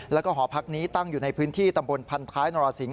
แล้วก็หอพักนี้ตั้งอยู่ในพื้นที่ตำบลพันท้ายนรสิงห